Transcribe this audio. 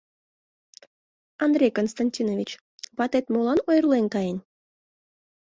Андрей Константинович, ватет молан ойырлен каен?